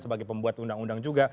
sebagai pembuat undang undang juga